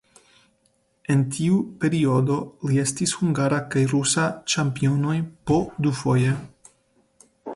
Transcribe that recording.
En tiu periodo li estis hungara kaj rusa ĉampionoj po dufoje.